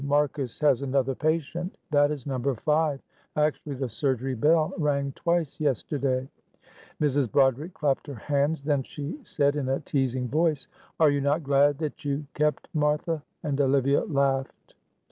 Marcus has another patient, that is number five. Actually the surgery bell rang twice yesterday." Mrs. Broderick clapped her hands. Then she said, in a teasing voice, "Are you not glad that you kept Martha?" and Olivia laughed.